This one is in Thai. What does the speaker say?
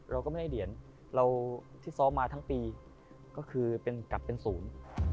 เราก็ไม่ได้เหรียญเราที่ซ้อมมาทั้งปีก็คือเป็นกลับเป็นศูนย์